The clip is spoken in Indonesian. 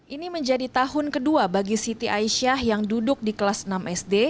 ini menjadi tahun kedua bagi siti aisyah yang duduk di kelas enam sd